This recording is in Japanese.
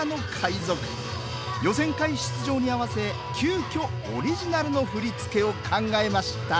予選会出場に合わせ急きょオリジナルの振り付けを考えました。